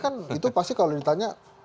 kan itu pasti kalau ditanya